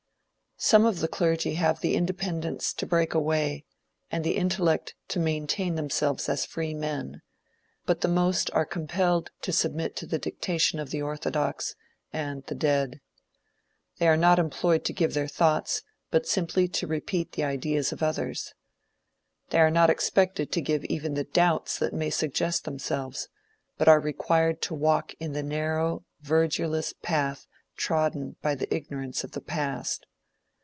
Some of the clergy have the independence to break away, and the intellect to maintain themselves as free men, but the most are compelled to submit to the dictation of the orthodox, and the dead. They are not employed to give their thoughts, but simply to repeat the ideas of others. They are not expected to give even the doubts that may suggest themselves, but are required to walk in the narrow, verdureless path trodden by the ignorance of the past.